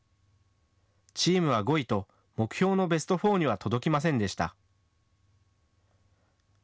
チームは５位と、目標のベスト４には届きませんでした。